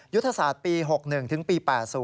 ยุทธศาสตร์ปี๖๑ถึงปี๘๐